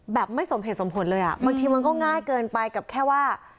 ไม่สมเหตุสมผลเลยอ่ะบางทีมันก็ง่ายเกินไปกับแค่ว่า